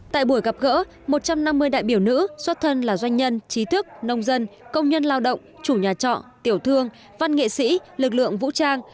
tại buổi gặp gỡ một trăm năm mươi đại biểu nữ xuất thân là doanh nhân trí thức nông dân công nhân lao động chủ nhà trọ tiểu thương văn nghệ sĩ lực lượng vũ trang